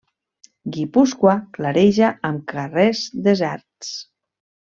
Guipúscoa clareja amb carrers deserts.